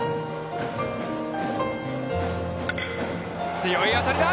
強い当たりだ！